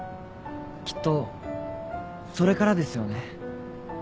きっとそれからですよね？